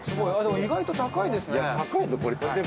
意外と高いですね。